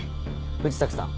藤崎さん